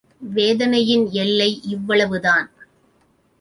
வேதனையின் எல்லை இவ்வளவுதான்.